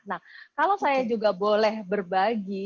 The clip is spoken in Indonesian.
nah kalau saya juga boleh berbagi